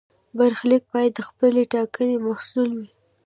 برخلیک باید د خپلې ټاکنې محصول وي.